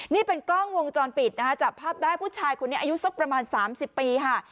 นี่เป็นกล้องวงจรปิดนะฮะจับภาพได้ผู้ชายคนนี้อายุสักประมาณ๓๐ปีค่ะ